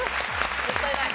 もったいない！